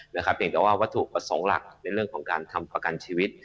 เพียงแต่ว่าวัตถุประสงค์หลักในเรื่องของการทำประกันชีวิต